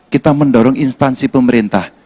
kita mendorong instansi pemerintah